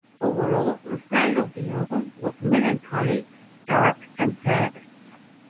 Overall, the style of the album was melancholy, dark and sad.